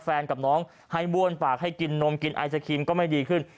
กับน้องให้บ้วนปากให้กินนมกินไอศครีมก็ไม่ดีขึ้น